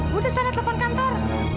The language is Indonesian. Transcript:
bu desana telepon kantor